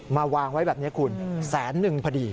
วางไว้แบบนี้คุณแสนนึงพอดี